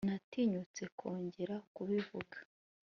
natinyutse kongera kubivuga